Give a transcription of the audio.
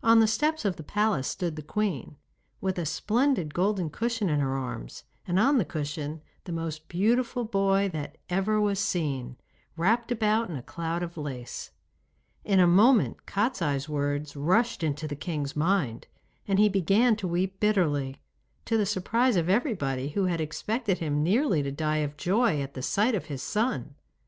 On the steps of the palace stood the queen, with a splendid golden cushion in her arms, and on the cushion the most beautiful boy that ever was seen, wrapped about in a cloud of lace. In a moment Kostiei's words rushed into the king's mind, and he began to weep bitterly, to the surprise of everybody, who had expected him nearly to die of joy at the sight of his son.